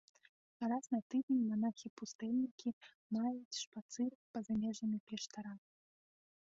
Раз на тыдзень манахі-пустэльнікі маюць шпацыр па-за межамі кляштара.